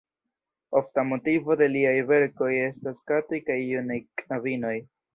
Ofta motivo de liaj verkoj estas katoj kaj junaj knabinoj.